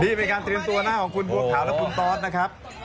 นี่เป็นการเตรียมตัวหน้าของคุณบัวขาวและคุณตอสนะครับ